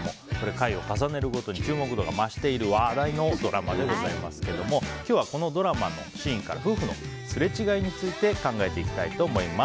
回を重ねるごとに注目度が増している話題のドラマですが今日は、このドラマのシーンから夫婦のすれ違いについて考えていきたいと思います。